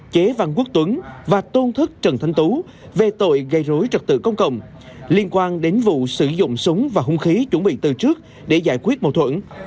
chế văn quốc tuấn và tôn thức trần thanh tú về tội gây rối trật tự công cộng liên quan đến vụ sử dụng súng và hung khí chuẩn bị từ trước để giải quyết mâu thuẫn